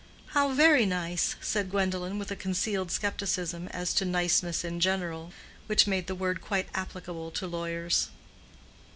"How very nice!" said Gwendolen, with a concealed scepticism as to niceness in general, which made the word quite applicable to lawyers.